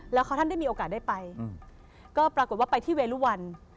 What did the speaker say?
แล้วเขาท่านได้มีโอกาสได้ไปก็ปรากฏว่าไปที่เวรุวัน